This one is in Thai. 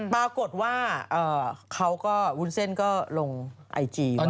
ปรากฏว่าเขาก็วุ้นเส้นก็ลงไอจีว่า